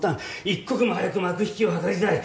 一刻も早く幕引きを図りたい。